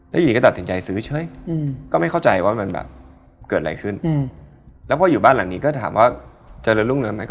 หยีก็ตัดสินใจซื้อเฉยก็ไม่เข้าใจว่ามันแบบเกิดอะไรขึ้นแล้วพออยู่บ้านหลังนี้ก็ถามว่าเจริญรุ่งเรืองไหม